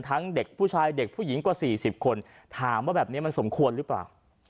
เด็กผู้ชายเด็กผู้หญิงกว่า๔๐คนถามว่าแบบนี้มันสมควรหรือเปล่า